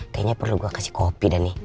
kayaknya perlu gue kasih kopi dan nih